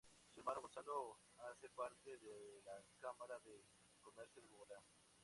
Su hermano Gonzalo hace parte de la Cámara de Comercio de Bogotá.